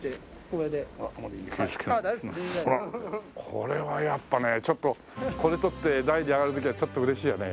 これはやっぱねちょっとこれ取って台に上がる時はちょっと嬉しいよね？